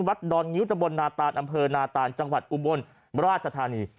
ดอนงิ้วตะบนนาตานอำเภอนาตานจังหวัดอุบลราชธานี